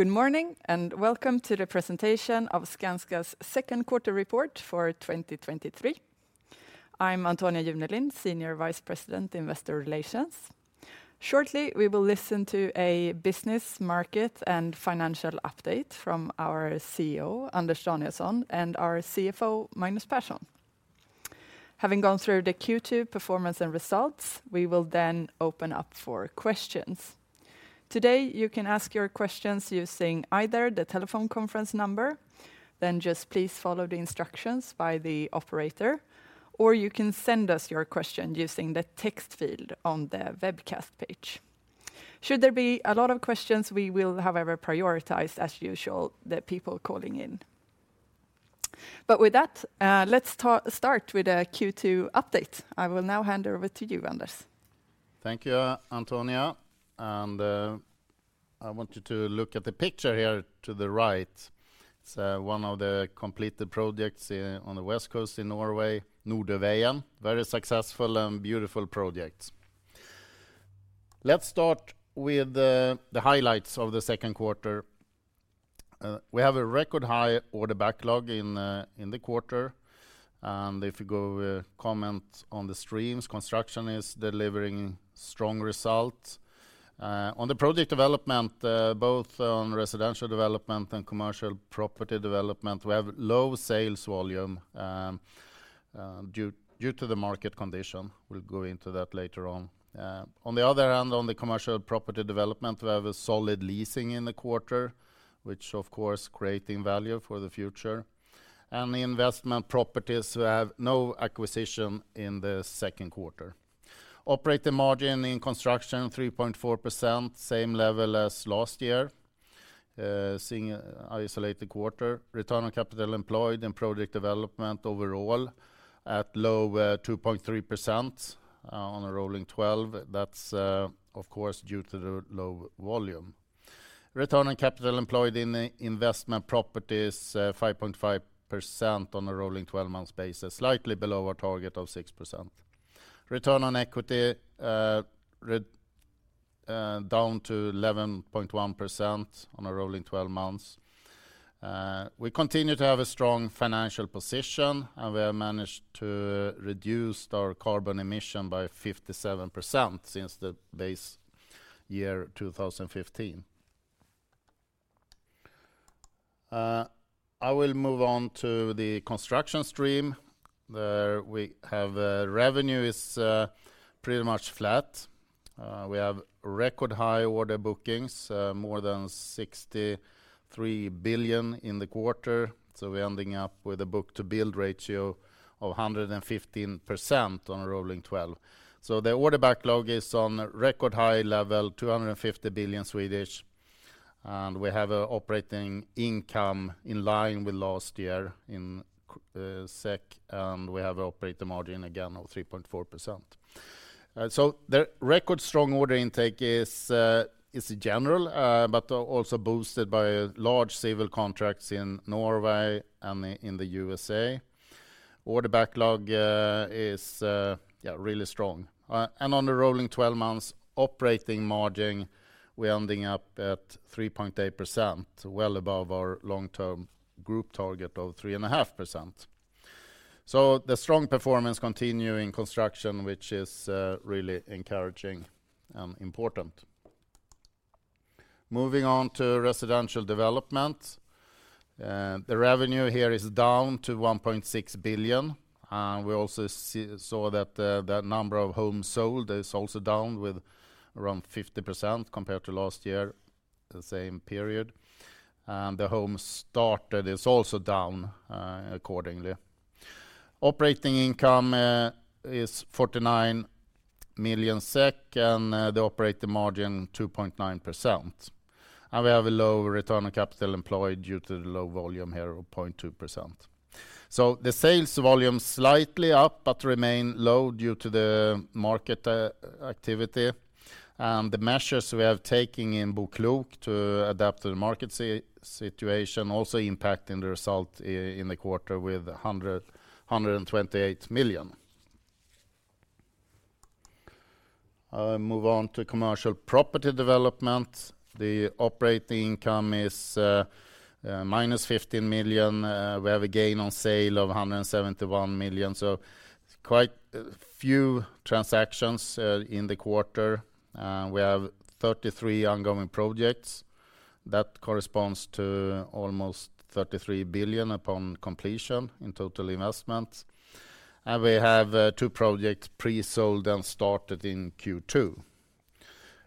Good morning, welcome to the presentation of Skanska's second quarter report for 2023. I'm Antonia Junelind, Senior Vice President, Investor Relations. Shortly, we will listen to a business, market, and financial update from our CEO, Anders Danielsson, and our CFO, Magnus Persson. Having gone through the Q2 performance and results, we will then open up for questions. Today, you can ask your questions using either the telephone conference number, then just please follow the instructions by the operator, or you can send us your question using the text field on the webcast page. Should there be a lot of questions, we will, however, prioritize, as usual, the people calling in. With that, let's start with a Q2 update. I will now hand over to you, Anders. Thank you, Antonia. I want you to look at the picture here to the right. It's one of the completed projects on the west coast in Norway, Nordvegen. Very successful and beautiful project. Let's start with the highlights of the second quarter. We have a record high order backlog in the quarter. If you go comment on the streams, construction is delivering strong results. On the project development, both on residential development and commercial property development, we have low sales volume due to the market condition. We'll go into that later on. On the other hand, on the commercial property development, we have a solid leasing in the quarter, which of course, creating value for the future. The investment properties, we have no acquisition in the second quarter. Operating margin in construction, 3.4%, same level as last year, seeing a isolated quarter. Return on capital employed in project development overall, at low, 2.3%, on a rolling twelve. That's, of course, due to the low volume. Return on capital employed in the investment properties, 5.5% on a rolling twelve-month basis, slightly below our target of 6%. Return on equity, down to 11.1% on a rolling twelve months. We continue to have a strong financial position, and we have managed to reduce our carbon emission by 57% since the base year 2015. I will move on to the construction stream. There, we have, revenue is pretty much flat. We have record high order bookings, more than 63 billion in the quarter. We're ending up with a book-to-build ratio of 115% on a rolling 12. The order backlog is on a record high level, 250 billion. We have an operating income in line with last year in SEK. We have operating margin again of 3.4%. The record strong order intake is general, but also boosted by large civil contracts in Norway and in the USA. Order backlog is really strong. On the rolling 12 months operating margin, we're ending up at 3.8%, well above our long-term group target of 3.5%. The strong performance continue in construction, which is really encouraging and important. Moving on to residential development, the revenue here is down to 1.6 billion. We also saw that the number of homes sold is also down with around 50% compared to last year, the same period. The homes started is also down accordingly. Operating income is 49 million SEK. The operating margin, 2.9%. We have a low return on capital employed due to the low volume here of 0.2%. The sales volume slightly up, but remain low due to the market activity. The measures we are taking in BoKlok to adapt to the market situation also impacting the result in the quarter with 128 million. I move on to commercial property development. The operating income is minus 15 million. We have a gain on sale of 171 million, so quite a few transactions in the quarter. We have 33 ongoing projects. That corresponds to almost 33 billion upon completion in total investment. We have two projects pre-sold and started in Q2.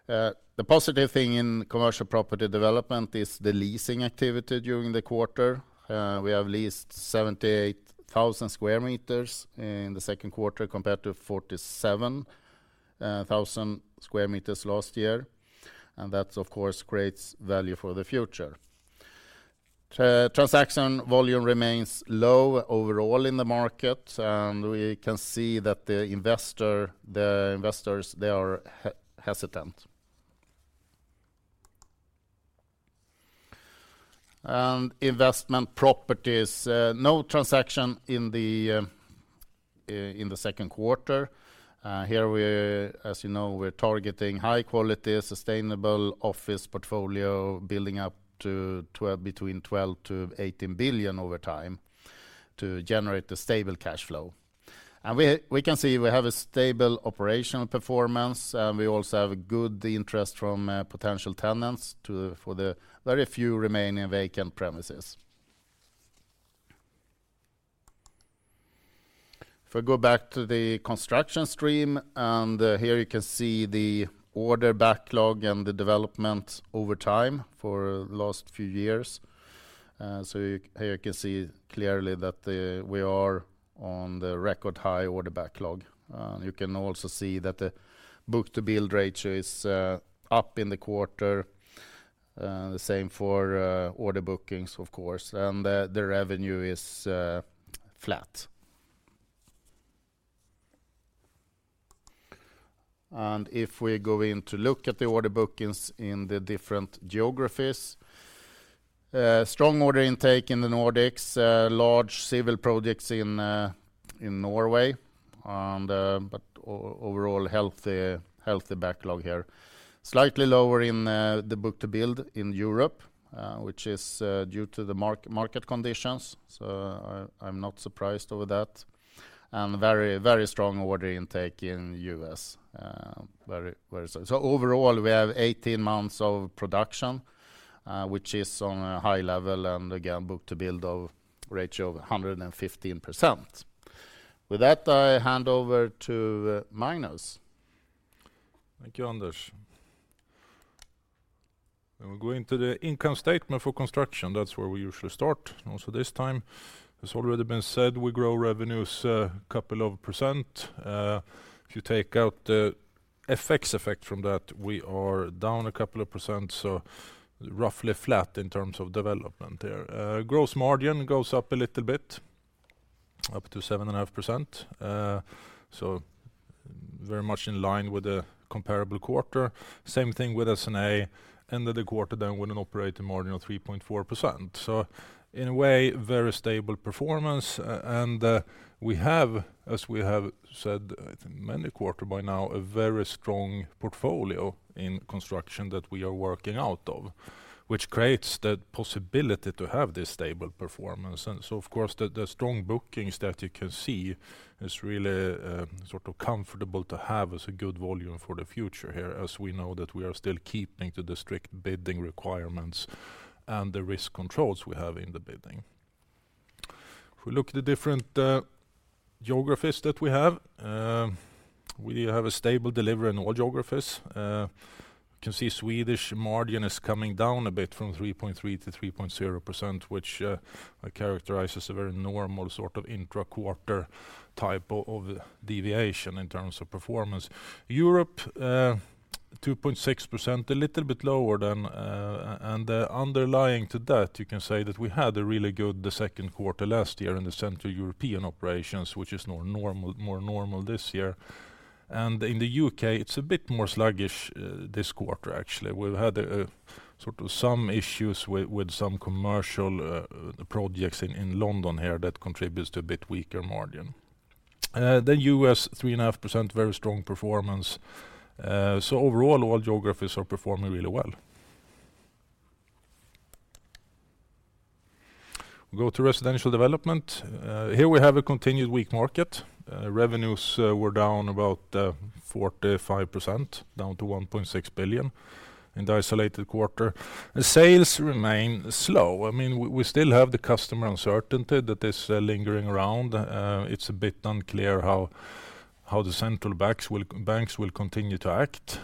The positive thing in commercial property development is the leasing activity during the quarter. We have leased 78,000 square meters in the second quarter, compared to 47 thousand square meters last year, and that, of course, creates value for the future. Transaction volume remains low overall in the market, and we can see that the investor, the investors, they are hesitant. Investment properties, no transaction in the second quarter. Here we're, as you know, we're targeting high quality, sustainable office portfolio, building up between 12 billion-18 billion over time to generate a stable cash flow. We can see we have a stable operational performance, and we also have a good interest from potential tenants for the very few remaining vacant premises. I go back to the construction stream, here you can see the order backlog and the development over time for the last few years. Here you can see clearly that we are on the record high order backlog. You can also see that the book-to-build ratio is up in the quarter, the same for order bookings, of course, and the revenue is flat. If we go in to look at the order bookings in the different geographies, strong order intake in the Nordics, large civil projects in Norway, overall healthy backlog here. Slightly lower in the book-to-build in Europe, which is due to the market conditions, so I'm not surprised over that. Very strong order intake in US. Overall, we have 18 months of production, which is on a high level, and again, book-to-build ratio of 115%. With that, I hand over to Magnus. Thank you, Anders. We go into the income statement for construction. That's where we usually start, also this time. It's already been said, we grow revenues, couple of %. If you take out the FX effect from that, we are down a couple of %, so roughly flat in terms of development there. Gross margin goes up a little bit, up to 7.5%. Very much in line with the comparable quarter. Same thing with S&A. Ended the quarter, then, with an operating margin of 3.4%. In a way, very stable performance. And we have, as we have said, I think, many quarter by now, a very strong portfolio in construction that we are working out of, which creates the possibility to have this stable performance. Of course, the strong bookings that you can see is really, sort of comfortable to have as a good volume for the future here, as we know that we are still keeping to the strict bidding requirements and the risk controls we have in the bidding. If we look at the different geographies that we have, we have a stable delivery in all geographies. You can see Swedish margin is coming down a bit from 3.3%-3.0%, which, I characterize as a very normal sort of intra-quarter type of deviation in terms of performance. Europe, 2.6%, a little bit lower than. Underlying to that, you can say that we had a really good second quarter last year in the Central European operations, which is more normal this year. In the U.K., it's a bit more sluggish this quarter, actually. We've had sort of some issues with some commercial projects in London here that contributes to a bit weaker margin. The U.S., 3.5%, very strong performance. Overall, all geographies are performing really well. We go to residential development. Here we have a continued weak market. Revenues were down about 45%, down to 1.6 billion in the isolated quarter. The sales remain slow. I mean, we still have the customer uncertainty that is lingering around. It's a bit unclear how the central banks will continue to act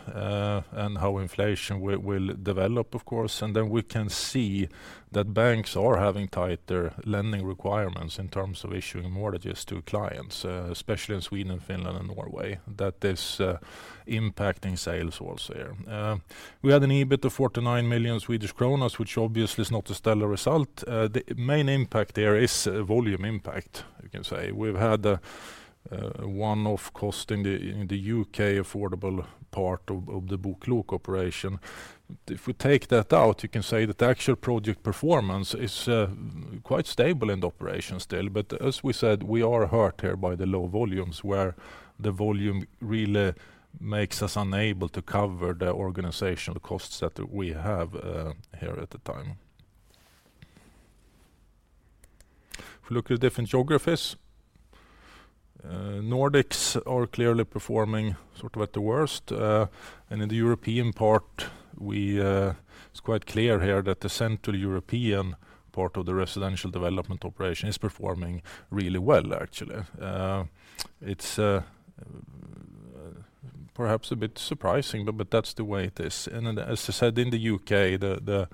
and how inflation will develop, of course. We can see that banks are having tighter lending requirements in terms of issuing mortgages to clients, especially in Sweden, Finland, and Norway. That is impacting sales also here. We had an EBIT of 49 million Swedish kronor, which obviously is not a stellar result. The main impact there is a volume impact, you can say. We've had a one-off cost in the UK affordable part of the BoKlok operation. If we take that out, you can say that the actual project performance is quite stable in the operation still. As we said, we are hurt here by the low volumes, where the volume really makes us unable to cover the organizational costs that we have here at the time. If you look at the different geographies, Nordics are clearly performing sort of at the worst. In the European part, It's quite clear here that the Central European part of the residential development operation is performing really well, actually. It's perhaps a bit surprising, but that's the way it is. Then, as I said, in the UK, the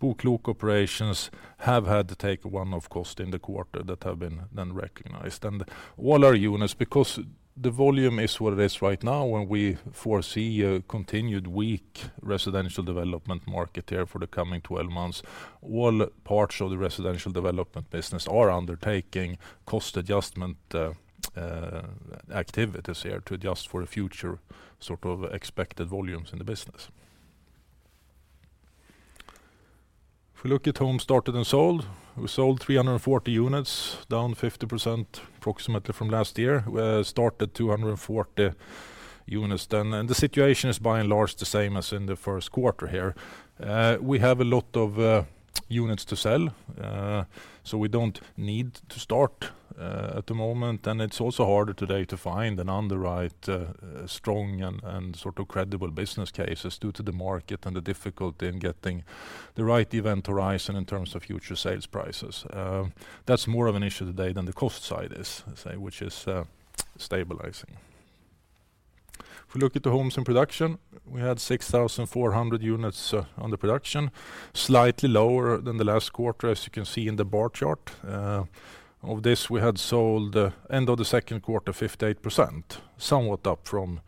BoKlok operations have had to take one-off cost in the quarter that have been then recognized. All our units, because the volume is what it is right now, and we foresee a continued weak residential development market here for the coming 12 months, all parts of the residential development business are undertaking cost adjustment activities here to adjust for the future, sort of expected volumes in the business. If we look at homes started and sold, we sold 340 units, down 50% approximately from last year. We started 240 units then, and the situation is by and large, the same as in the first quarter here. We have a lot of units to sell, so we don't need to start at the moment. It's also harder today to find an underwrite, strong and sort of credible business cases due to the market and the difficulty in getting the right event horizon in terms of future sales prices. That's more of an issue today than the cost side is, I say, which is stabilizing. If we look at the homes in production, we had 6,400 units on the production, slightly lower than the last quarter, as you can see in the bar chart. Of this, we had sold, end of the second quarter, 58%, somewhat up from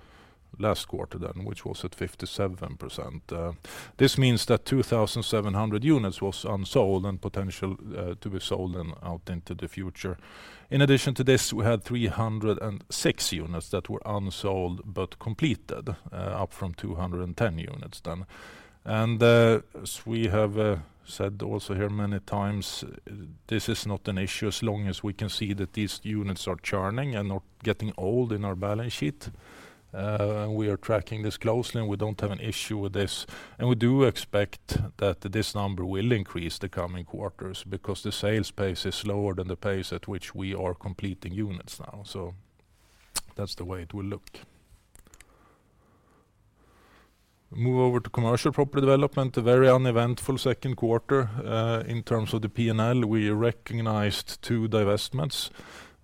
last quarter then, which was at 57%. This means that 2,700 units was unsold and potential to be sold then out into the future. In addition to this, we had 306 units that were unsold but completed, up from 210 units then. As we have said also here many times, this is not an issue as long as we can see that these units are churning and not getting old in our balance sheet. We are tracking this closely, and we don't have an issue with this. We do expect that this number will increase the coming quarters because the sales pace is slower than the pace at which we are completing units now. That's the way it will look. Move over to commercial property development, a very uneventful second quarter. In terms of the P&L, we recognized two divestments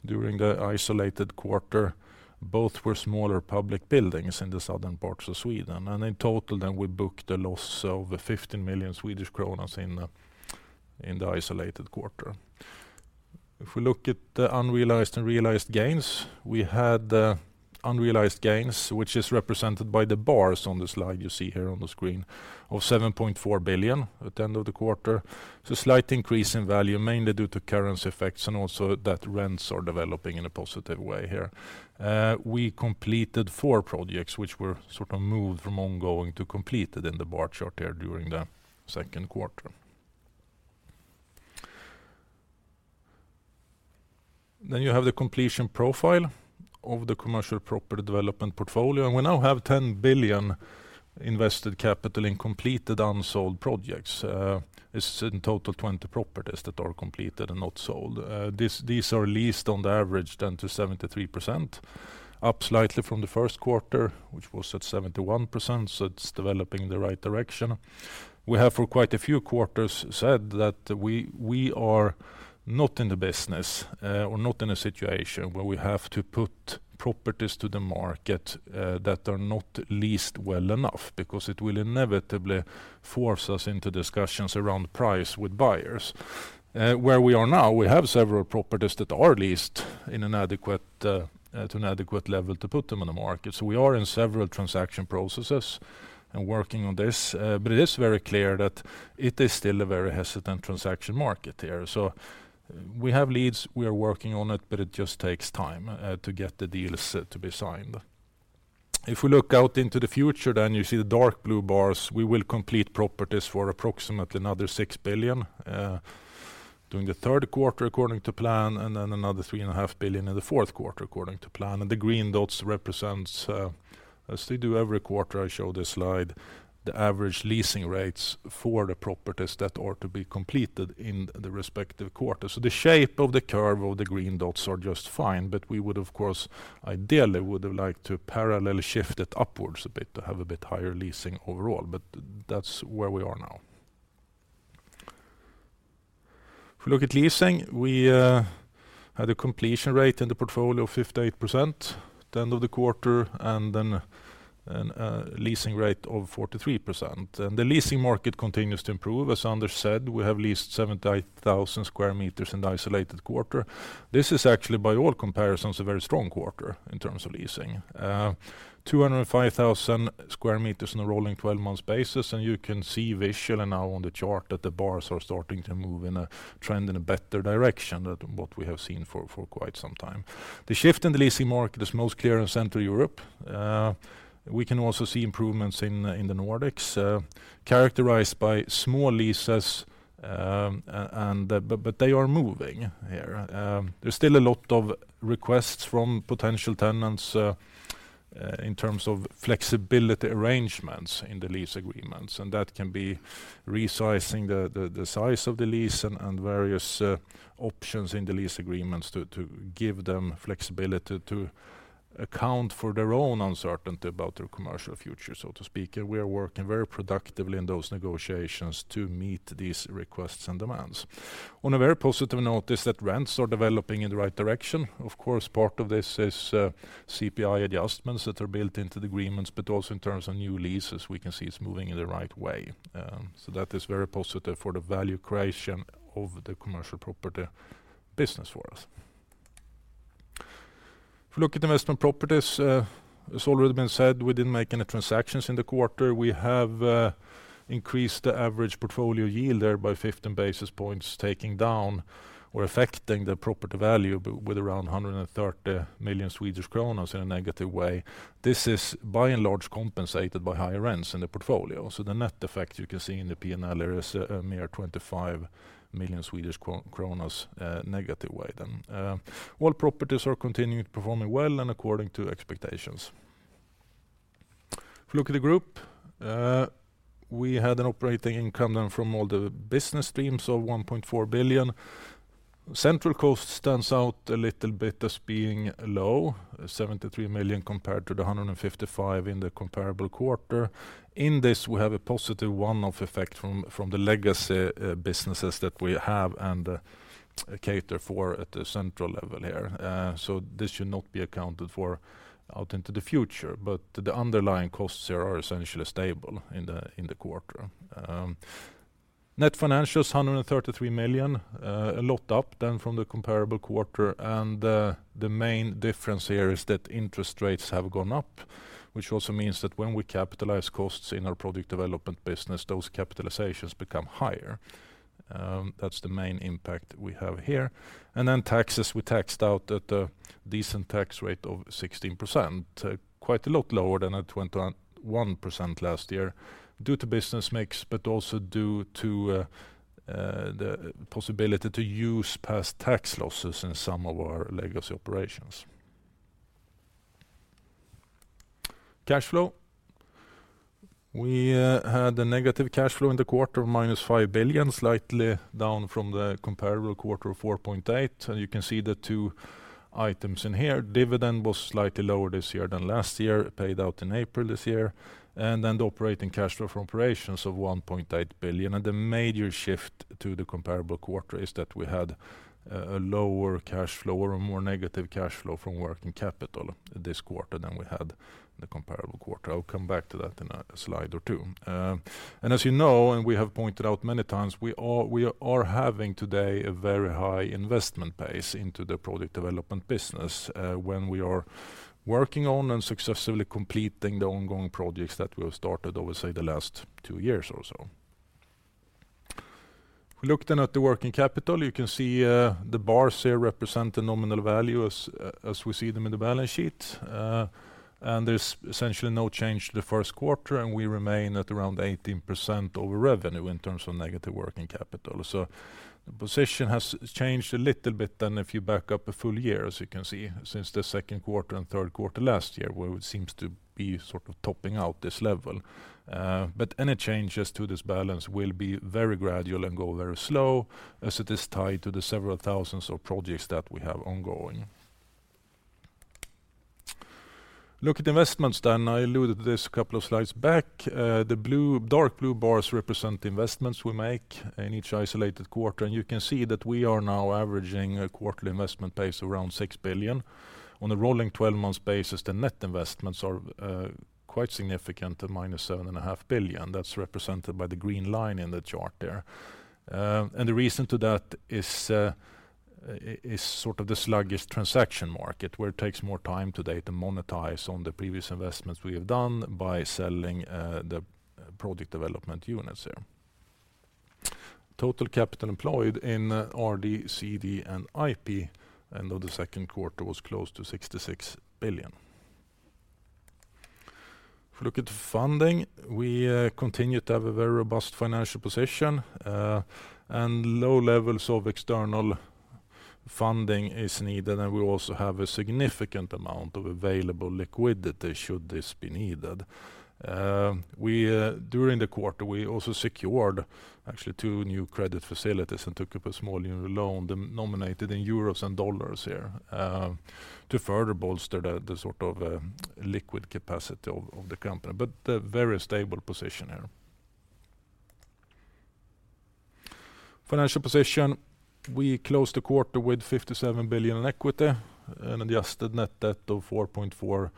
during the isolated quarter. Both were smaller public buildings in the southern parts of Sweden. In total, then we booked a loss of 15 million Swedish kronor in the isolated quarter. If we look at the unrealized and realized gains, we had the unrealized gains, which is represented by the bars on the slide you see here on the screen, of 7.4 billion at the end of the quarter. It's a slight increase in value, mainly due to currency effects, and also that rents are developing in a positive way here. We completed four projects, which were sort of moved from ongoing to completed in the bar chart here during the second quarter. You have the completion profile of the commercial property development portfolio, and we now have 10 billion invested capital in completed, unsold projects. It's in total 20 properties that are completed and not sold. These are leased on the average, 10%-73%, up slightly from the first quarter, which was at 71%. It's developing in the right direction. We have, for quite a few quarters, said that we are not in the business or not in a situation where we have to put properties to the market that are not leased well enough, because it will inevitably force us into discussions around price with buyers. Where we are now, we have several properties that are leased in an adequate, at an adequate level to put them on the market. We are in several transaction processes and working on this, but it is very clear that it is still a very hesitant transaction market here. We have leads, we are working on it, but it just takes time to get the deals to be signed. If we look out into the future, then you see the dark blue bars. We will complete properties for approximately another 6 billion during the third quarter, according to plan, and then another three and a half billion in the fourth quarter, according to plan. The green dots represent, as we do every quarter, I show this slide, the average leasing rates for the properties that are to be completed in the respective quarters. The shape of the curve of the green dots are just fine, but we would, of course, ideally would have liked to parallel shift it upwards a bit, to have a bit higher leasing overall, but that's where we are now. If we look at leasing, we had a completion rate in the portfolio of 58% at the end of the quarter, and leasing rate of 43%. The leasing market continues to improve. As Anders said, we have leased 78,000 square meters in the isolated quarter. This is actually, by all comparisons, a very strong quarter in terms of leasing. 205,000 square meters on a rolling 12-month basis, and you can see visually now on the chart that the bars are starting to move in a trend in a better direction than what we have seen for quite some time. The shift in the leasing market is most clear in Central Europe. We can also see improvements in the Nordics, characterized by small leases, and but they are moving here. There's still a lot of requests from potential tenants in terms of flexibility arrangements in the lease agreements, that can be resizing the size of the lease and various options in the lease agreements to give them flexibility to account for their own uncertainty about their commercial future, so to speak. We are working very productively in those negotiations to meet these requests and demands. On a very positive note, is that rents are developing in the right direction. Of course, part of this is CPI adjustments that are built into the agreements, but also in terms of new leases, we can see it's moving in the right way. That is very positive for the value creation of the commercial property business for us. If you look at investment properties, it's already been said we didn't make any transactions in the quarter. We have increased the average portfolio yield there by 15 basis points, taking down or affecting the property value with around 130 million in a negative way. This is by and large, compensated by higher rents in the portfolio. The net effect you can see in the P&L, there is a mere 25 million Swedish kronor negative way then. All properties are continuing performing well and according to expectations. If you look at the group, we had an operating income then from all the business streams, 1.4 billion. Central Europe stands out a little bit as being low, 73 million compared to 155 million in the comparable quarter. In this, we have a positive one-off effect from the legacy businesses that we have and cater for at the central level here. So this should not be accounted for out into the future, but the underlying costs here are essentially stable in the quarter. net financials, 133 million, a lot up than from the comparable quarter. The main difference here is that interest rates have gone up, which also means that when we capitalize costs in our product development business, those capitalizations become higher. That's the main impact we have here. Taxes, we taxed out at a decent tax rate of 16%, quite a lot lower than at 21% last year, due to business mix, but also due to the possibility to use past tax losses in some of our legacy operations. Cash flow. We had a negative cash flow in the quarter, -5 billion, slightly down from the comparable quarter of 4.8 billion. You can see the two items in here. Dividend was slightly lower this year than last year, paid out in April this year. The operating cash flow from operations of 1.8 billion. The major shift to the comparable quarter is that we had a lower cash flow or a more negative cash flow from working capital this quarter than we had in the comparable quarter. I'll come back to that in a slide or two. As you know, and we have pointed out many times, we are having today a very high investment pace into the product development business, when we are working on and successfully completing the ongoing projects that we have started, over, say, the last two years or so. We look at the working capital, you can see, the bars here represent the nominal value as we see them in the balance sheet. There's essentially no change the first quarter, and we remain at around 18% over revenue in terms of negative working capital. The position has changed a little bit than if you back up a full year, as you can see, since the second quarter and third quarter last year, where it seems to be sort of topping out this level. Any changes to this balance will be very gradual and go very slow as it is tied to the several thousands of projects that we have ongoing. Look at investments, I alluded this a couple of slides back. The blue, dark blue bars represent the investments we make in each isolated quarter, and you can see that we are now averaging a quarterly investment pace around 6 billion. On a rolling twelve-month basis, the net investments are quite significant, at minus 7 and a half billion. That's represented by the green line in the chart there. The reason to that is sort of the sluggish transaction market, where it takes more time today to monetize on the previous investments we have done by selling the product development units there. Total capital employed in RD, CD, and IP, end of the second quarter was close to 66 billion. If you look at the funding, we continue to have a very robust financial position, and low levels of external funding is needed, and we also have a significant amount of available liquidity should this be needed. We, during the quarter, we also secured actually two new credit facilities and took up a small new loan, denominated in euros and dollars here, to further bolster the sort of liquid capacity of the company, but a very stable position here. Financial position, we closed the quarter with 57 billion in equity and adjusted net debt of 4.4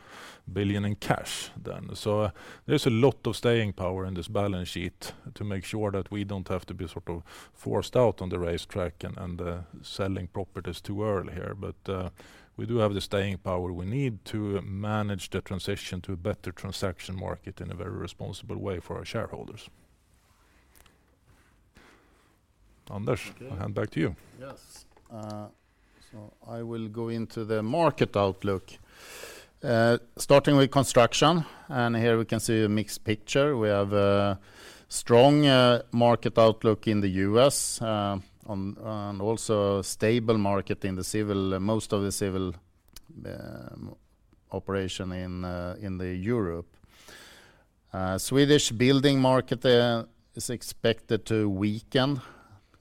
billion in cash then. There's a lot of staying power in this balance sheet to make sure that we don't have to be sort of forced out on the racetrack and selling properties too early here. We do have the staying power we need to manage the transition to a better transaction market in a very responsible way for our shareholders. Okay. I hand back to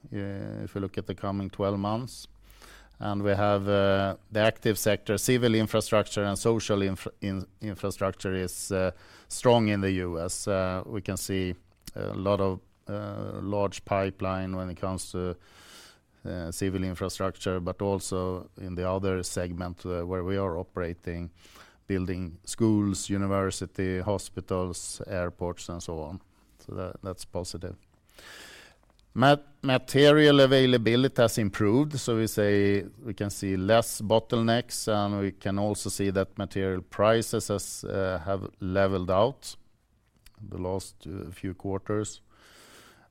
you. Yes. I will go into the market outlook. Starting with construction, here we can see a mixed picture. We have a strong market outlook in the U.S., on also a stable market in most of the civil operation in the Europe. Swedish building market is expected to weaken if we look at the coming 12 months. We have the active sector, civil infrastructure and social infrastructure is strong in the U.S. We can see a lot of large pipeline when it comes to civil infrastructure, but also in the other segment where we are operating, building schools, university, hospitals, airports, and so on. That's positive.... Material availability has improved, so we say we can see less bottlenecks, and we can also see that material prices have leveled out the last few quarters.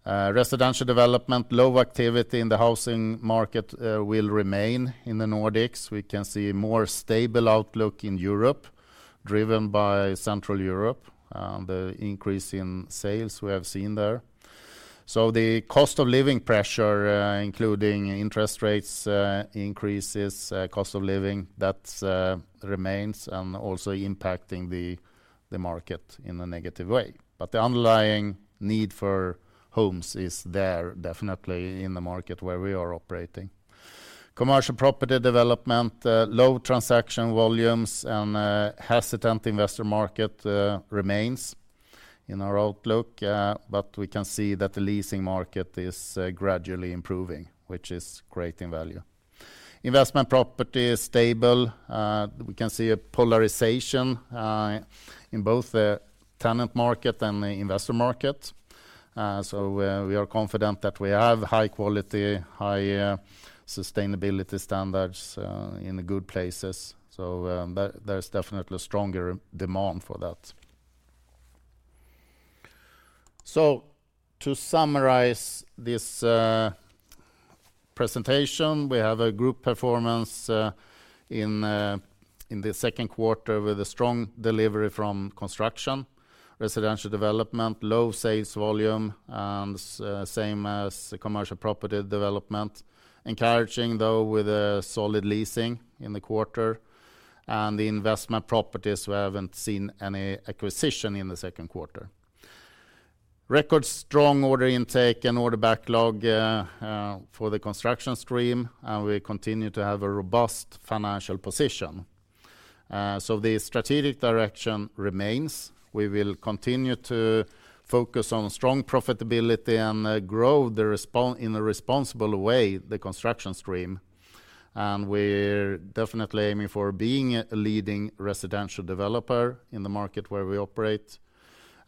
Residential development, low activity in the housing market, will remain in the Nordics. We can see more stable outlook in Europe, driven by Central Europe, the increase in sales we have seen there. The cost of living pressure, including interest rates, increases cost of living, that remains and also impacting the market in a negative way. The underlying need for homes is there, definitely in the market where we are operating. Commercial property development, low transaction volumes and hesitant investor market, remains in our outlook, but we can see that the leasing market is gradually improving, which is creating value. Investment property is stable. We can see a polarization in both the tenant market and the investor market. We are confident that we have high quality, high sustainability standards in the good places. There is definitely a stronger demand for that. To summarize this presentation,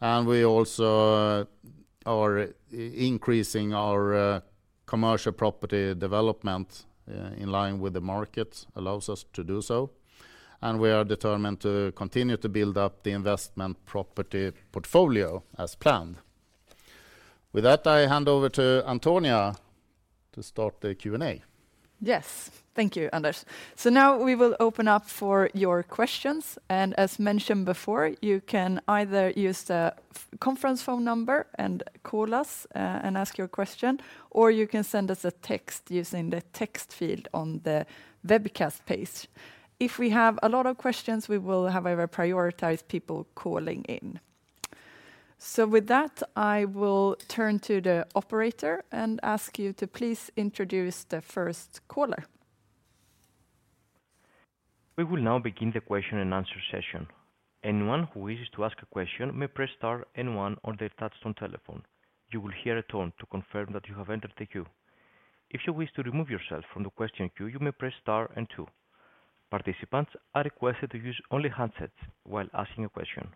we have a With that, I will turn to the operator and ask you to please introduce the first caller. We will now begin the question and answer session. Anyone who wishes to ask a question may press star and one on their touchtone telephone. You will hear a tone to confirm that you have entered the queue. If you wish to remove yourself from the question queue, you may press star and two. Participants are requested to use only handsets while asking a question.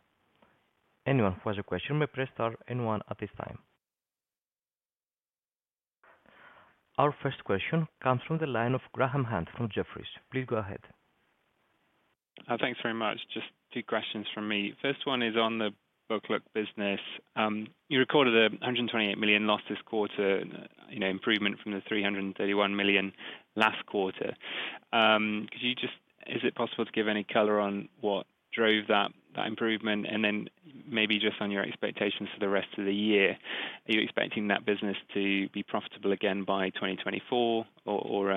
Anyone who has a question may press star and one at this time. Our first question comes from the line of Graham Hunt from Jefferies. Please go ahead. Thanks very much. Just two questions from me. First one is on the BoKlok business. You recorded a 128 million loss this quarter, you know, improvement from the 331 million last quarter. Is it possible to give any color on what drove that improvement? Maybe just on your expectations for the rest of the year, are you expecting that business to be profitable again by 2024, or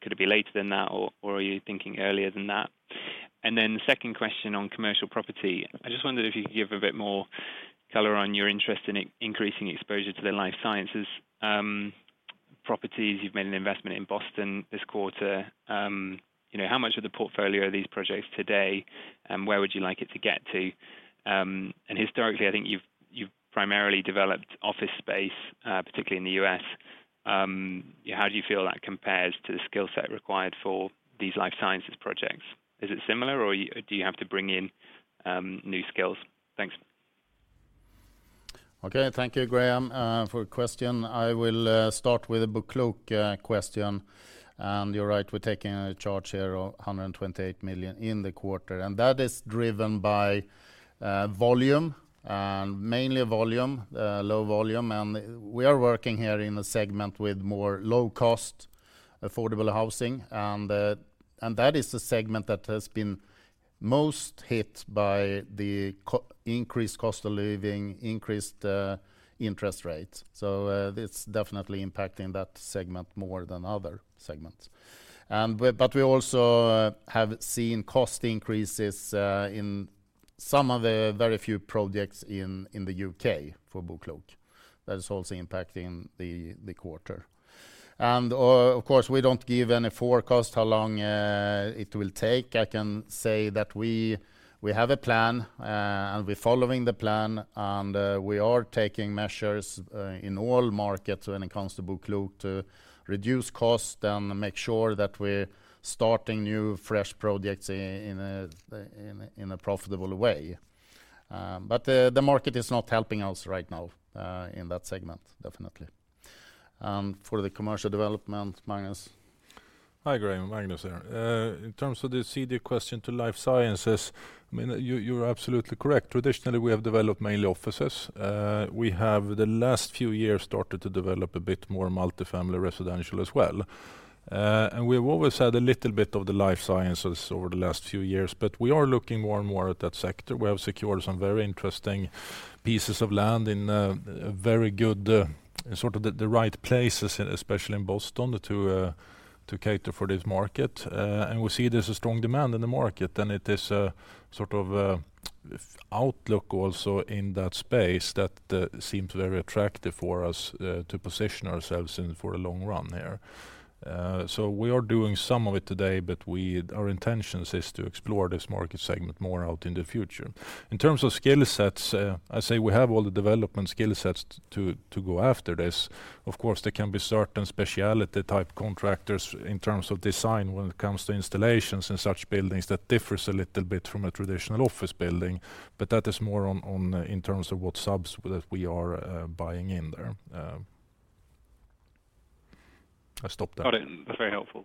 could it be later than that, or are you thinking earlier than that? The second question on commercial property. I just wondered if you could give a bit more color on your interest in increasing exposure to the life sciences properties. You've made an investment in Boston this quarter. you know, how much of the portfolio are these projects today, and where would you like it to get to? Historically, I think you've primarily developed office space, particularly in the U.S. How do you feel that compares to the skill set required for these life sciences projects? Is it similar, or do you have to bring in new skills? Thanks. Okay. Thank you, Graham, for your question. I will start with the BoKlok question. You're right, we're taking a charge here of SEK 128 million in the quarter, that is driven by volume, and mainly low volume. We are working here in a segment with more low cost, affordable housing, that is the segment that has been most hit by increased cost of living, increased interest rates. It's definitely impacting that segment more than other segments. But we also have seen cost increases in some of the very few projects in the U.K. for BoKlok. That is also impacting the quarter. Of course, we don't give any forecast how long it will take. I can say that we have a plan, and we're following the plan, and we are taking measures in all markets when it comes to BoKlok to reduce costs and make sure that we're starting new, fresh projects in a profitable way. The market is not helping us right now in that segment, definitely. For the commercial development. Hi, Graham. Magnus here. In terms of the CD question to life sciences, I mean, you're absolutely correct. Traditionally, we have developed mainly offices. We have, the last few years, started to develop a bit more multifamily residential as well. We've always had a little bit of the life sciences over the last few years, but we are looking more and more at that sector. We have secured some very interesting pieces of land in a very good, sort of the right places, especially in Boston, to cater for this market. We see there's a strong demand in the market, and it is a sort of, outlook also in that space that, seems very attractive for us, to position ourselves in it for a long run there. We are doing some of it today, but our intentions is to explore this market segment more out in the future. In terms of skill sets, I say we have all the development skill sets to go after this. Of course, there can be certain specialty-type contractors in terms of design when it comes to installations in such buildings that differs a little bit from a traditional office building, but that is more on in terms of what subs that we are buying in there. I'll stop there. Got it. That's very helpful.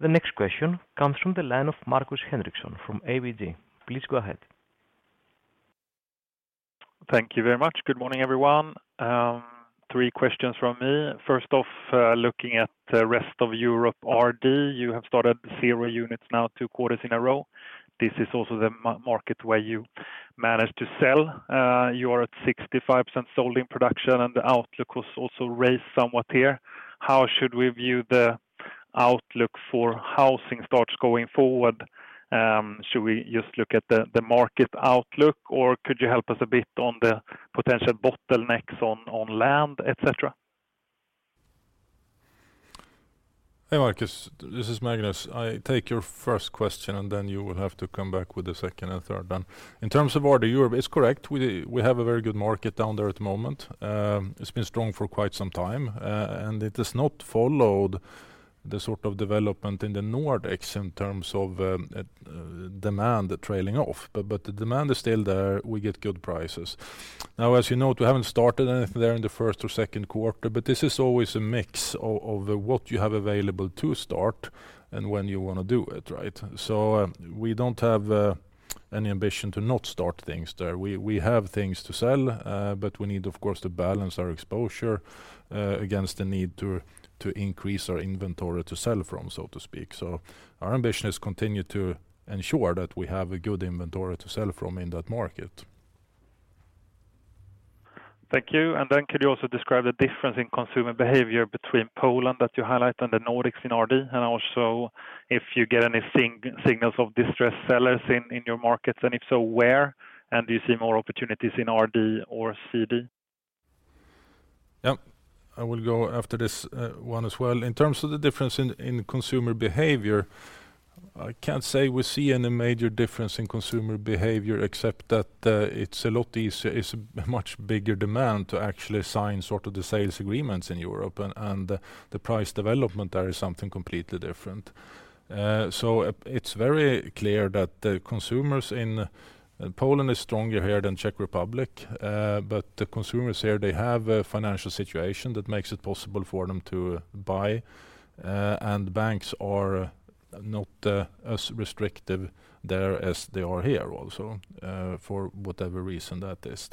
The next question comes from the line of Markus Henriksson from ABG. Please go ahead. Thank you very much. Good morning, everyone. Three questions from me. First off, looking at the rest of Europe RD, you have started zero units now two quarters in a row. This is also the market where you managed to sell. You are at 65% sold in production, and the outlook was also raised somewhat here. How should we view the outlook for housing starts going forward? Should we just look at the market outlook, or could you help us a bit on the potential bottlenecks on land, et cetera? Hey, Markus, this is Magnus. I take your first question. Then you will have to come back with the second and third then. In terms of RD Europe, it's correct. We have a very good market down there at the moment. It's been strong for quite some time, and it has not followed the sort of development in the Nordics in terms of demand trailing off. The demand is still there. We get good prices. Now, as you know, we haven't started anything there in the first or second quarter, but this is always a mix of what you have available to start and when you wanna do it, right? We don't have any ambition to not start things there. We have things to sell, but we need, of course, to balance our exposure against the need to increase our inventory to sell from, so to speak. Our ambition is continue to ensure that we have a good inventory to sell from in that market. Thank you. Could you also describe the difference in consumer behavior between Poland, that you highlight, and the Nordics in RD? Also, if you get any signals of distressed sellers in your markets, and if so, where? Do you see more opportunities in RD or CD? Yep. I will go after this one as well. In terms of the difference in consumer behavior, I can't say we see any major difference in consumer behavior, except that it's a much bigger demand to actually sign sort of the sales agreements in Europe, and the price development there is something completely different. It's very clear that the consumers in Poland is stronger here than Czech Republic. The consumers here, they have a financial situation that makes it possible for them to buy, and banks are not as restrictive there as they are here also, for whatever reason that is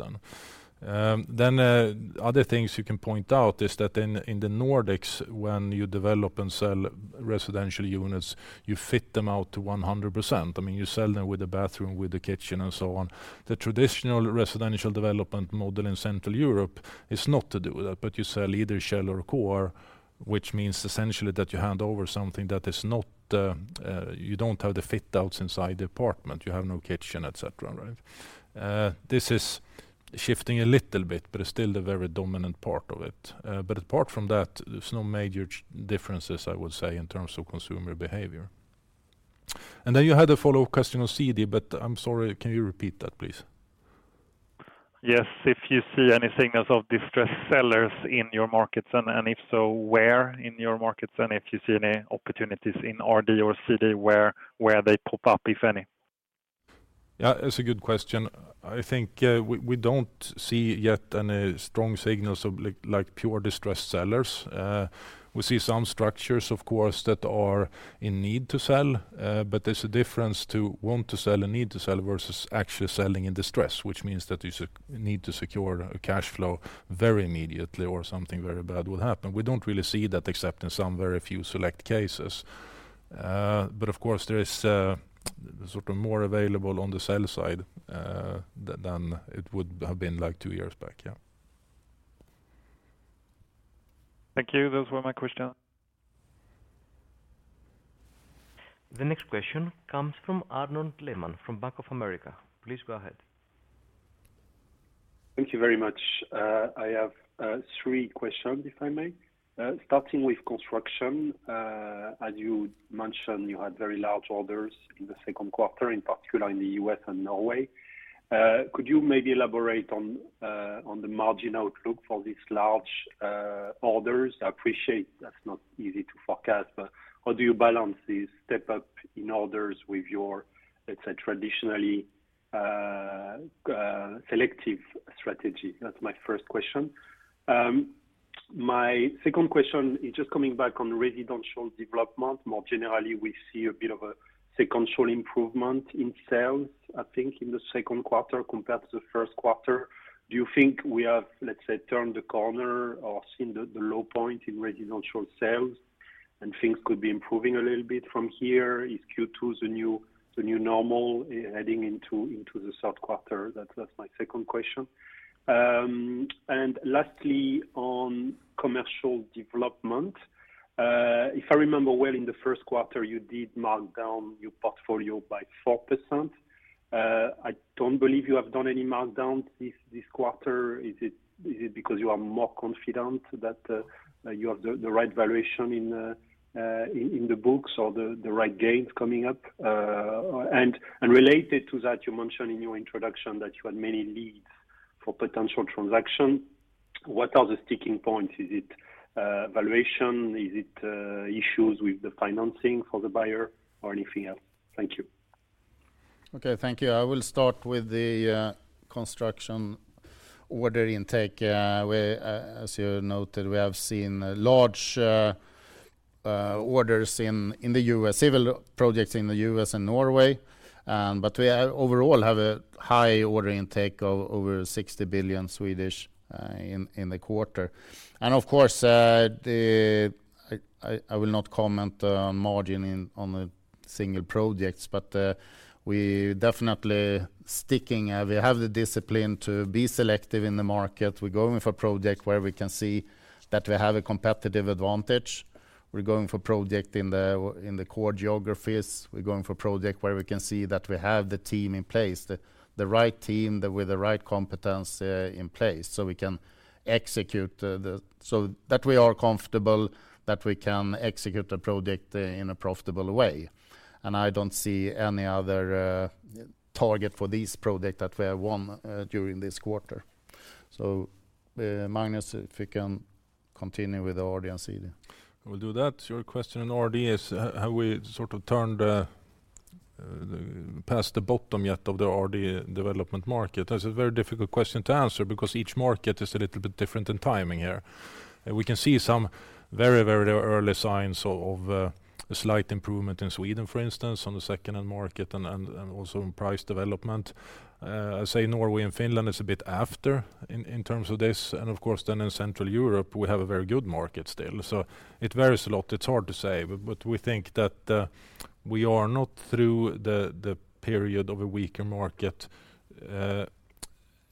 then. Other things you can point out is that in the Nordics, when you develop and sell residential units, you fit them out to 100%. I mean, you sell them with a bathroom, with a kitchen, and so on. The traditional residential development model in Central Europe is not to do that, but you sell either shell and core, which means essentially that you hand over something that is not. You don't have the fit outs inside the apartment. You have no kitchen, et cetera, right? This is shifting a little bit, but it's still the very dominant part of it. Apart from that, there's no major differences, I would say, in terms of consumer behavior. You had a follow-up question on CD. I'm sorry, can you repeat that, please? Yes. If you see any signals of distressed sellers in your markets, and if so, where in your markets? If you see any opportunities in RD or CD, where they pop up, if any? Yeah, it's a good question. I think, we don't see yet any strong signals of, like, pure distressed sellers. We see some structures, of course, that are in need to sell, but there's a difference to want to sell and need to sell versus actually selling in distress, which means that you need to secure a cash flow very immediately or something very bad will happen. We don't really see that except in some very few select cases. Of course, there is, sort of more available on the sell side, than it would have been, like, two years back. Yeah. Thank you. Those were my questions. The next question comes from Arnaud Lehmann from Bank of America. Please go ahead. Thank you very much. I have three questions, if I may. Starting with construction, as you mentioned, you had very large orders in the second quarter, in particular in the U.S. and Norway. Could you maybe elaborate on the margin outlook for these large orders? I appreciate that's not easy to forecast, but how do you balance the step-up in orders with your, let's say, traditionally, selective strategy? That's my first question. My second question is just coming back on residential development. More generally, we see a bit of a sequential improvement in sales, I think, in the second quarter compared to the first quarter. Do you think we have, let's say, turned the corner or seen the low point in residential sales, and things could be improving a little bit from here? Is Q2 the new normal, heading into the third quarter? That's my second question. Lastly, on commercial development, if I remember well, in the first quarter, you did mark down your portfolio by 4%. I don't believe you have done any markdowns this quarter. Is it because you are more confident that you have the right valuation in the books or the right gains coming up? Related to that, you mentioned in your introduction that you had many leads for potential transaction. What are the sticking points? Is it valuation? Is it issues with the financing for the buyer or anything else? Thank you. Okay, thank you. I will start with the construction order intake. We, as you noted, we have seen large orders in the U.S. civil projects in the U.S. and Norway. We have overall have a high order intake of over SEK 60 billion in the quarter. Of course, the... I will not comment on margin on the single projects, but we definitely sticking. We have the discipline to be selective in the market. We're going for project where we can see that we have a competitive advantage. We're going for project in the core geographies. We're going for project where we can see that we have the team in place, the right team with the right competence, in place, so we can execute, so that we are comfortable that we can execute the project in a profitable way. I don't see any other target for this project that we have won during this quarter. Magnus, if you can continue with the RD and CD. I will do that. Your question on RD is, have we sort of turned past the bottom yet of the RD development market? That's a very difficult question to answer because each market is a little bit different in timing here. We can see some very, very early signs of a slight improvement in Sweden, for instance, on the second-hand market and also in price development. I say Norway and Finland is a bit after in terms of this, and of course, then in Central Europe, we have a very good market still. It varies a lot. It's hard to say, but we think that we are not through the period of a weaker market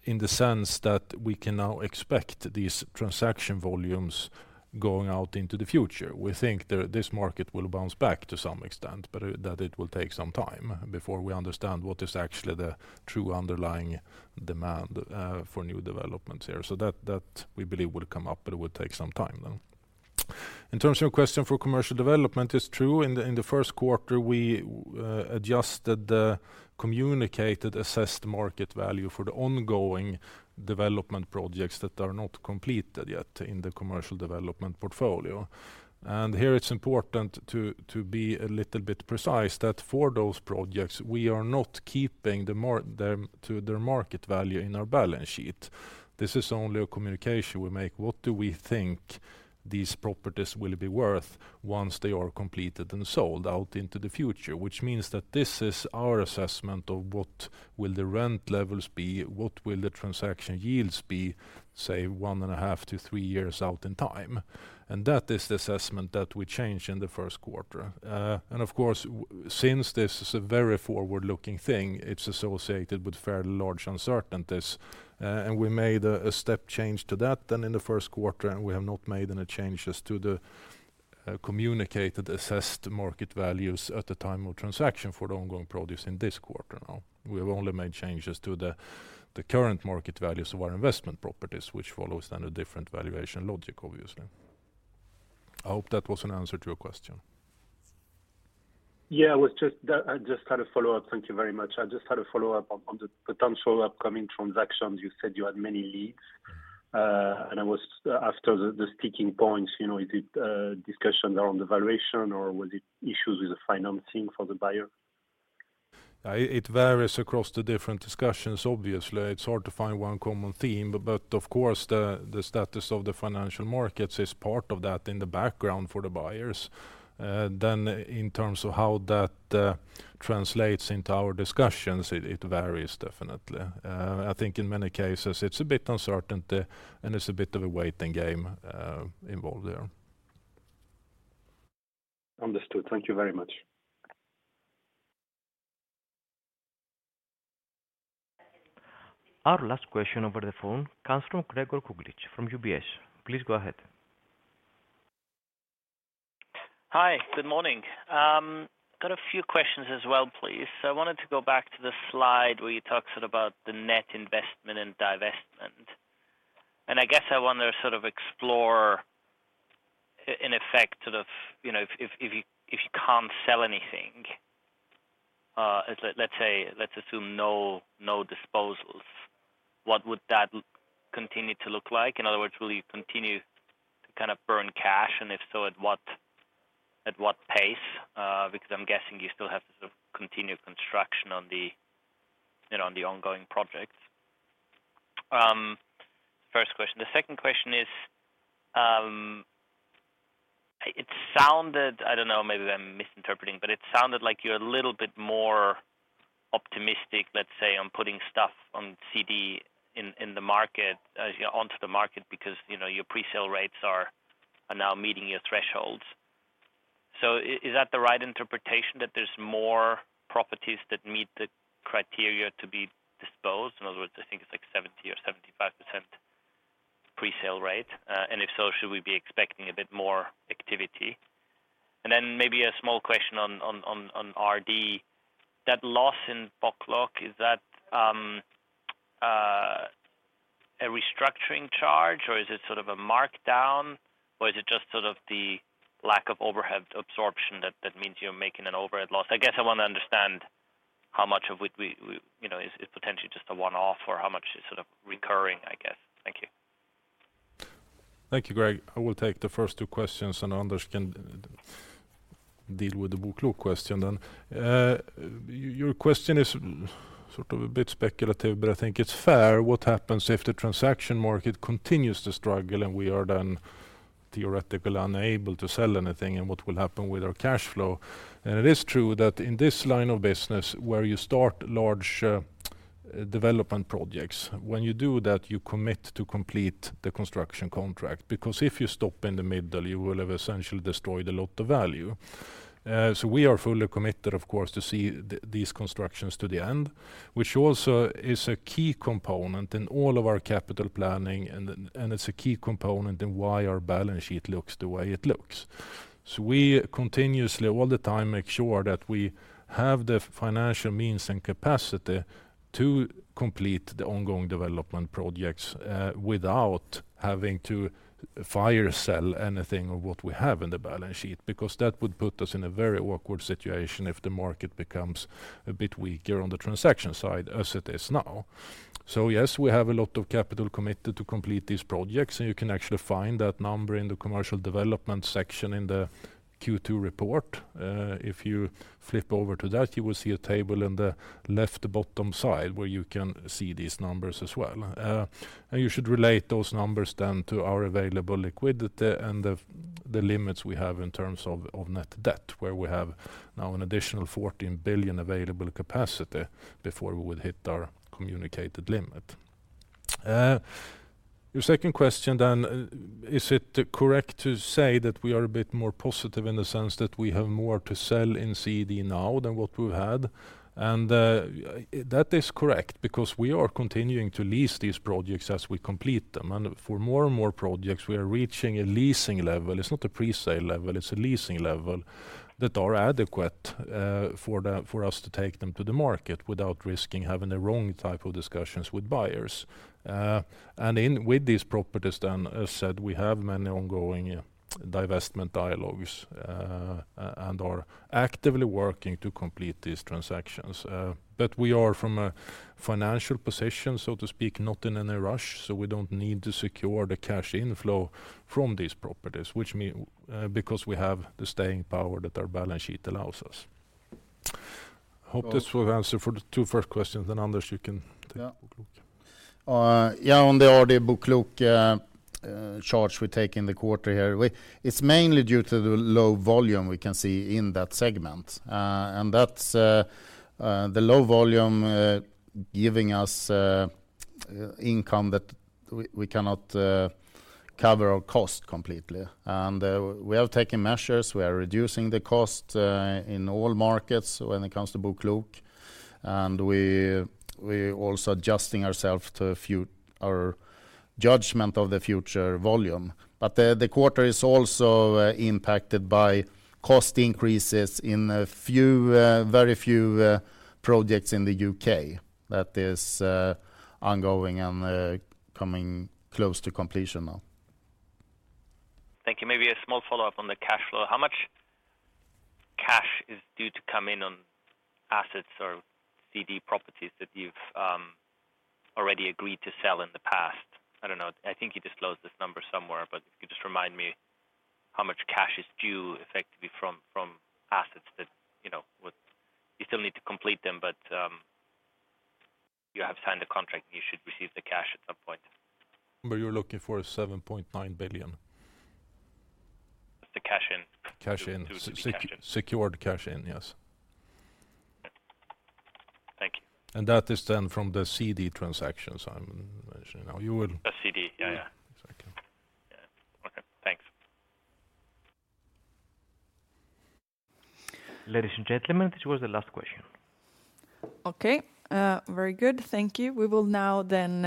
in the sense that we can now expect these transaction volumes going out into the future. We think that this market will bounce back to some extent, but that it will take some time before we understand what is actually the true underlying demand for new developments here. That, we believe, will come up, but it would take some time, though. In terms of your question for commercial development, it's true, in the first quarter, we adjusted the communicated, assessed market value for the ongoing development projects that are not completed yet in the commercial development portfolio. Here, it's important to be a little bit precise, that for those projects, we are not keeping them to their market value in our balance sheet. This is only a communication we make. What do we think these properties will be worth once they are completed and sold out into the future? This means that this is our assessment of what will the rent levels be, what will the transaction yields be, say, one and a half to three years out in time. That is the assessment that we changed in the first quarter. Of course, since this is a very forward-looking thing, it's associated with fairly large uncertainties. We made a step change to that in the first quarter. We have not made any changes to the communicated, assessed market values at the time of transaction for the ongoing projects in this quarter. We have only made changes to the current market values of our investment properties, which follows on a different valuation logic, obviously. I hope that was an answer to your question. Yeah, I just had a follow-up. Thank you very much. I just had a follow-up on the potential upcoming transactions. You said you had many leads. I was after the sticking points, you know, is it discussion around the valuation or was it issues with the financing for the buyer? It varies across the different discussions, obviously. It's hard to find one common theme, but of course, the status of the financial markets is part of that in the background for the buyers. In terms of how that translates into our discussions, it varies definitely. I think in many cases it's a bit uncertainty, and it's a bit of a waiting game involved there. Understood. Thank you very much. Our last question over the phone comes from Gregor Kuglitsch from UBS. Please go ahead. Hi, good morning. Got a few questions as well, please. I wanted to go back to the slide where you talked sort of about the net investment and divestment. I guess I want to sort of explore in effect, sort of, you know, if, if you, if you can't sell anything, let's say, let's assume no disposals, what would that continue to look like? In other words, will you continue to kind of burn cash, and if so, at what pace? Because I'm guessing you still have to sort of continue construction on the, you know, on the ongoing projects. First question. The second question is, it sounded, I don't know, maybe I'm misinterpreting, but it sounded like you're a little bit more optimistic, let's say, on putting stuff on CD in the market, onto the market, because, you know, your presale rates are now meeting your thresholds. Is that the right interpretation, that there's more properties that meet the criteria to be disposed? In other words, I think it's like 70% or 75% presale rate. If so, should we be expecting a bit more activity? Then maybe a small question on RD. That loss in BoKlok, is that a restructuring charge, or is it sort of a markdown, or is it just sort of the lack of overhead absorption that means you're making an overhead loss? I guess I wanna understand how much of it we, you know, is potentially just a one-off or how much is sort of recurring, I guess. Thank you. Thank you, Greg. I will take the first two questions. Anders can deal with the BoKlok question then. Your question is sort of a bit speculative. I think it's fair. What happens if the transaction market continues to struggle, and we are then theoretically unable to sell anything, and what will happen with our cash flow? It is true that in this line of business, where you start large development projects, when you do that, you commit to complete the construction contract, because if you stop in the middle, you will have essentially destroyed a lot of value. We are fully committed, of course, to see these constructions to the end, which also is a key component in all of our capital planning, and then it's a key component in why our balance sheet looks the way it looks. We continuously, all the time, make sure that we have the financial means and capacity to complete the ongoing development projects, without having to fire sell anything of what we have in the balance sheet. That would put us in a very awkward situation if the market becomes a bit weaker on the transaction side, as it is now. Yes, we have a lot of capital committed to complete these projects, and you can actually find that number in the commercial development section in the Q2 report. If you flip over to that, you will see a table in the left bottom side, where you can see these numbers as well. You should relate those numbers then to our available liquidity and the limits we have in terms of net debt, where we have now an additional 14 billion available capacity before we would hit our communicated limit. Your second question then, is it correct to say that we are a bit more positive in the sense that we have more to sell in CD now than what we had? That is correct, because we are continuing to lease these projects as we complete them. For more and more projects, we are reaching a leasing level. It's not a presale level, it's a leasing level that are adequate for us to take them to the market without risking having the wrong type of discussions with buyers. In... With these properties then, as said, we have many ongoing, divestment dialogues, and are actively working to CD properties that you've already agreed to sell in the past? I don't know. I think you disclosed this number somewhere, but if you could just remind me how much cash is due effectively from assets that, you know, would. You still need to complete them, but you have signed the contract, and you should receive the cash at some point. Well, you're looking for SEK 7.9 billion. The cash in. Cash in. Due to the cash in. Secured cash in, yes. Thank you. That is from the C.D. transactions I'm mentioning now. You will- The CD. Yeah, yeah. Yeah. Exactly. Yeah. Okay, thanks. Ladies and gentlemen, this was the last question. Okay, very good. Thank you. We will now then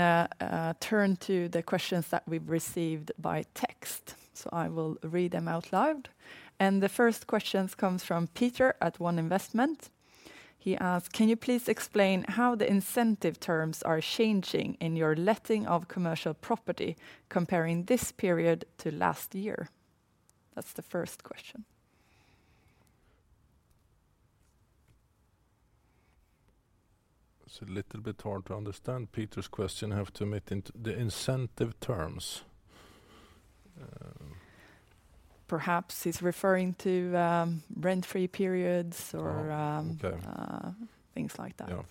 turn to the questions that we've received by text, so I will read them out loud. The first questions comes from Peter at One Investment. He asked: Can you please explain how the incentive terms are changing in your letting of commercial property, comparing this period to last year? That's the first question. It's a little bit hard to understand Peter's question. Have to admit the incentive terms. Perhaps he's referring to, rent-free periods or... Oh, okay.... things like that. Yeah.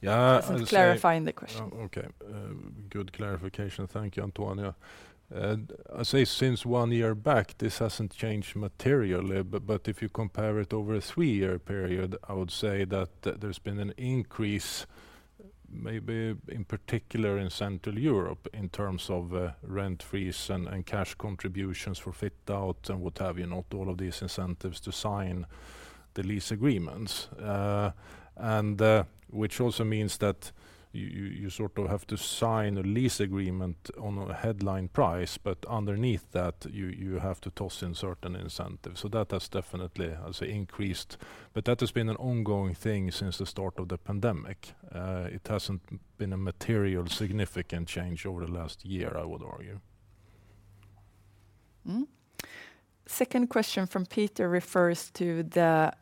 Yeah. He isn't clarifying the question. Okay. Good clarification. Thank you, Antonia. I say since one year back, this hasn't changed materially. If you compare it over a three-year period, I would say that there's been an increase, maybe in particular in Central Europe, in terms of rent freeze and cash contributions for fit out and what have you, not all of these incentives to sign the lease agreements. Which also means that you sort of have to sign a lease agreement on a headline price, but underneath that, you have to toss in certain incentives. That has definitely, I say, increased. That has been an ongoing thing since the start of the pandemic. It hasn't been a material significant change over the last year, I would argue. Second question from Peter refers to the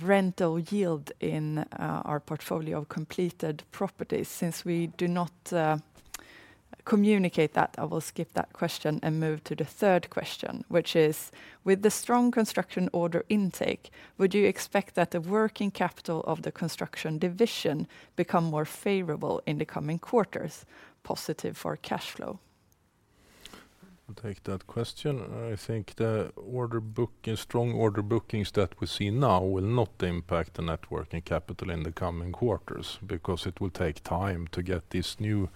rental yield in our portfolio of completed properties. Since we do not communicate that, I will skip that question and move to the third question, which is: With the strong construction order intake, would you expect that the working capital of the construction division become more favorable in the coming quarters, positive for cash flow? I'll take that question. I think the order booking, strong order bookings that we see now will not impact the net working capital in the coming quarters, because it will take time to get these new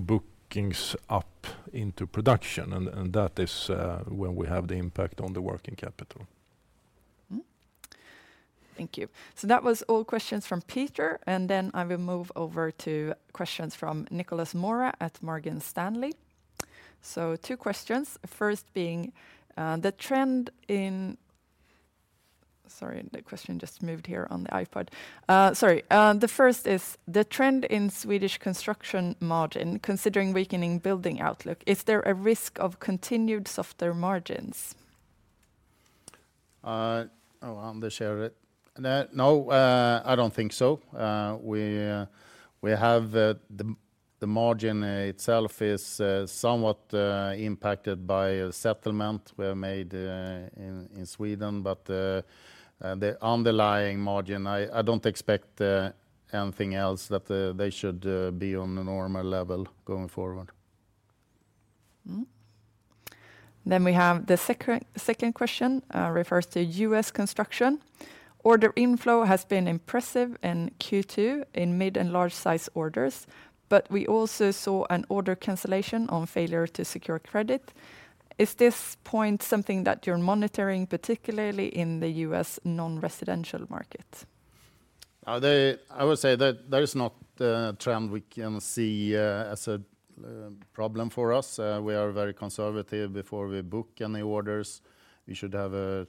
bookings up into production. That is when we have the impact on the working capital. Mm-hmm. Thank you. That was all questions from Peter. I will move over to questions from Nicolas Mora at Morgan Stanley. Two questions, first being: Sorry, the question just moved here on the iPad. Sorry. The first is: The trend in Swedish construction margin, considering weakening building outlook, is there a risk of continued softer margins? Anders share it. No, I don't think so. We have the margin itself is somewhat impacted by a settlement were made in Sweden, but the underlying margin, I don't expect anything else that they should be on a normal level going forward. We have the second question refers to US construction. Order inflow has been impressive in Q2, in mid and large size orders, but we also saw an order cancellation on failure to secure credit. Is this point something that you're monitoring, particularly in the U.S. non-residential market? I would say that there is not a trend we can see as a problem for us. We are very conservative before we book any orders. We should have a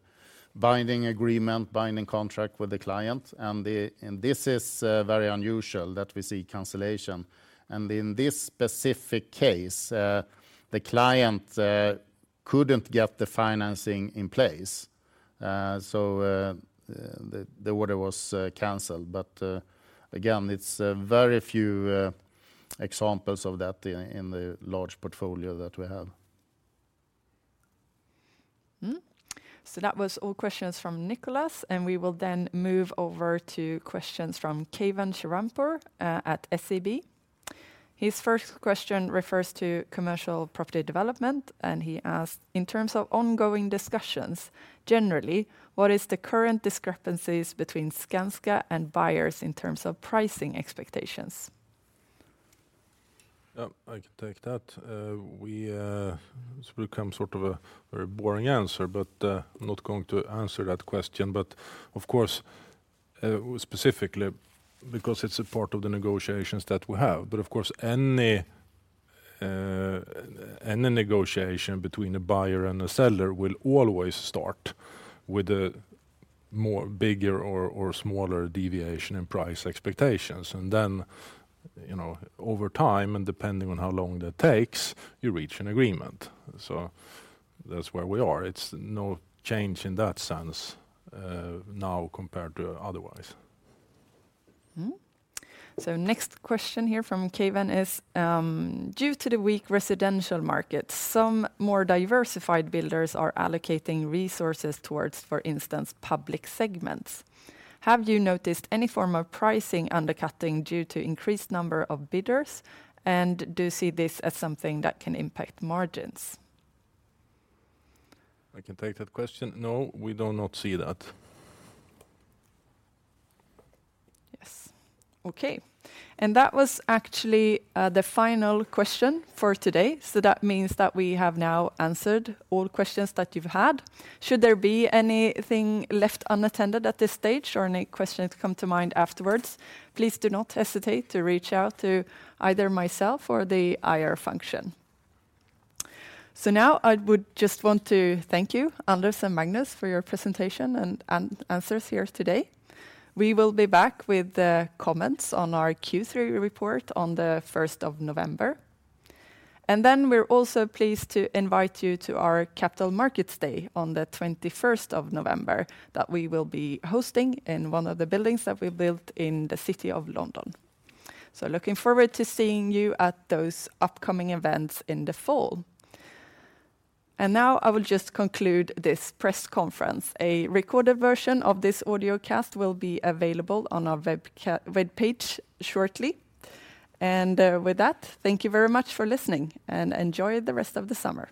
binding agreement, binding contract with the client, and this is very unusual that we see cancellation. In this specific case, the client couldn't get the financing in place, so the order was canceled. Again, it's a very few examples of that in the large portfolio that we have. Mm-hmm. That was all questions from Nicolas, and we will then move over to questions from Keivan Shirvanpour at SEB. His first question refers to commercial property development, and he asked: In terms of ongoing discussions, generally, what is the current discrepancies between Skanska and buyers in terms of pricing expectations? Yeah, I can take that. We, this become sort of a very boring answer, but, I'm not going to answer that question. Of course, specifically because it's a part of the negotiations that we have. Of course, any negotiation between a buyer and a seller will always start with a more bigger or smaller deviation in price expectations. Then, you know, over time, and depending on how long that takes, you reach an agreement. That's where we are. It's no change in that sense, now compared to otherwise. Mm-hmm. Next question here from Keivan is: Due to the weak residential market, some more diversified builders are allocating resources towards, for instance, public segments. Have you noticed any form of pricing undercutting due to increased number of bidders? Do you see this as something that can impact margins? I can take that question. No, we do not see that. Yes. Okay. That was actually the final question for today. That means that we have now answered all questions that you've had. Should there be anything left unattended at this stage or any questions come to mind afterwards, please do not hesitate to reach out to either myself or the IR function. Now I would just want to thank you, Anders and Magnus, for your presentation and answers here today. We will be back with the comments on our Q3 report on the 1st of November. We're also pleased to invite you to our Capital Markets Day on the 21st of November, that we will be hosting in one of the buildings that we built in the city of London. Looking forward to seeing you at those upcoming events in the fall. Now I will just conclude this press conference. A recorded version of this audio cast will be available on our web page shortly. With that, thank you very much for listening, and enjoy the rest of the summer.